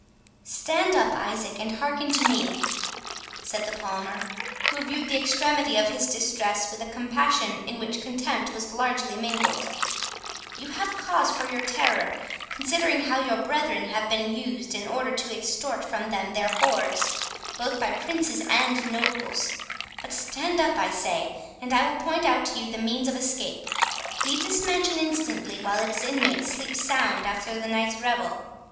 "Stand up, Isaac, and hearken to me," said the Palmer, who viewed the extremity of his distress with a compassion in which contempt was largely mingled; "you have cause for your terror, considering how your brethren have been used, in order to extort from them their hoards, both by princes and nobles; but stand up, I say, and I will point out to you the means of escape. Leave this mansion instantly, while its inmates sleep sound after the last night's revel.